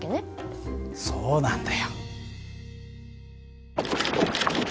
そうなんだよ。